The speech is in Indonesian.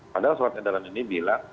padahal surat edaran ini bilang